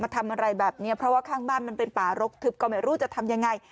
ทำอะไรแบบนี้เพราะว่าข้างบ้านมันเป็นป่ารกทึบก็ไม่รู้จะทำยังไง